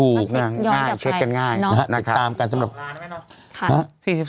ถูกง่ายเช็คกันง่ายนะครับติดตามการสำหรับ๔๒ล้านมั้ยเนอะ